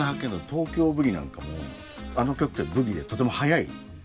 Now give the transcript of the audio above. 「東京ブギー」なんかもあの曲ってブギでとても速いですよね。